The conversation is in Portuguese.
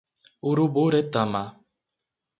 Uruburetama